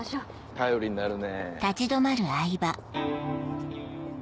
頼りになるね。